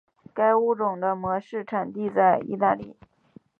该物种的模式产地在意大利。